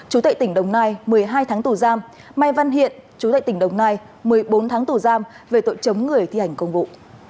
chú tệ tỉnh đồng nai một mươi hai tháng tù giam mai văn hiện chú tại tỉnh đồng nai một mươi bốn tháng tù giam về tội chống người thi hành công vụ